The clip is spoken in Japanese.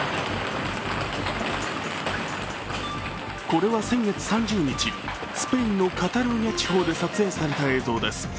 これは先月３０日、スペインのカタルーニャ地方で撮影された映像です。